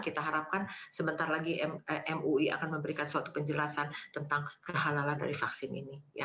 kita harapkan sebentar lagi mui akan memberikan suatu penjelasan tentang kehalalan dari vaksin ini